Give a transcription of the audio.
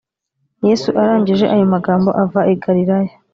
Yesu arangije ayo magambo ava i galilaya